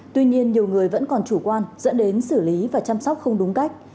tuy nhiên nhiều người vẫn còn chủ quan dẫn đến xử lý và chăm sóc không đúng cách